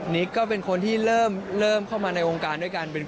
ก็เป็นคนที่เริ่มเข้ามาในวงการด้วยกัน